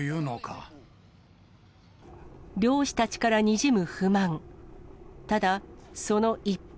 漁師たちからにじむ不満。